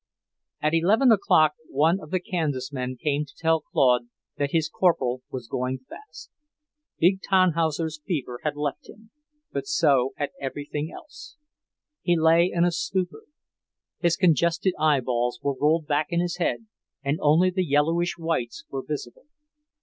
At eleven o'clock one of the Kansas men came to tell Claude that his Corporal was going fast. Big Tannhauser's fever had left him, but so had everything else. He lay in a stupor. His congested eyeballs were rolled back in his head and only the yellowish whites were visible.